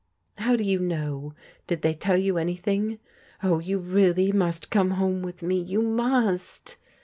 "How do you know? Did they tell you anything?" " Oh, you really must come home with me, you must."